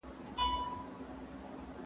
چې حرقې د ملنګۍ له ځانه تاو کړو